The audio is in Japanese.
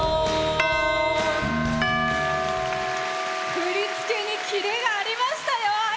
振り付けにキレがありましたよ。